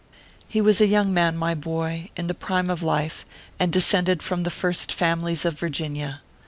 He was a young man, my boy, in the prime of life, and descended from the First Families of Virginia.